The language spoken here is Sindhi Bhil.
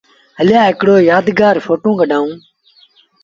هليآ هڪڙو يآدگآر ڦوٽو ڪڍآئوٚݩ۔